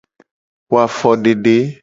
Wo afodede.